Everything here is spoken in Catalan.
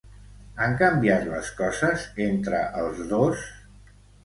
Han canviat les coses entre els dos?